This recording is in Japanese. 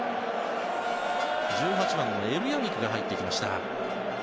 １８番のエルヤミクが入ってきました。